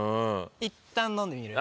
いったん飲んでみる？